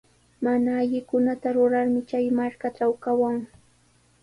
Mana allikunata rurarmi chay markatraw kawan.